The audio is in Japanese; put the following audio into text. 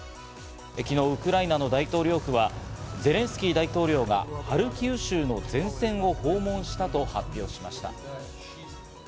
昨日、ウクライナの大統領府はゼレンスキー大統領がハルキウ州の前線を訪問したと発表しました。